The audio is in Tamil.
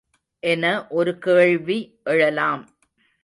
என ஒரு கேள்வி எழலாம்.